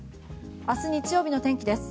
明日日曜日の天気です。